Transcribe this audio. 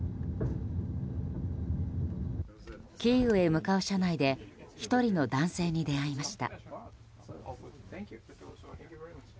キーウへ向かう車内で１人の男性に出会いました。